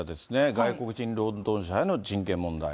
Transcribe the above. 外国人労働者への人権問題。